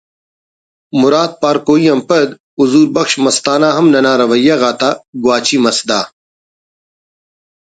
مراد پارکوئی آن پد حضور بخش مستانہ ہم ننا رویہ غاتا گو اچی مس دا